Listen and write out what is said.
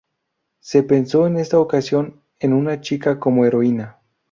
Se pensó en esta ocasión en una chica como heroína.